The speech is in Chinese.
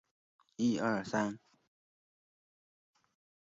俯垂粉报春为报春花科报春花属下的一个种。